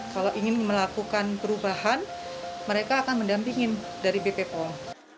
kalau ingin melakukan perubahan mereka akan mendampingi dari bpom